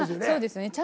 そうですね。